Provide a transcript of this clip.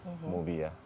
budget movie ya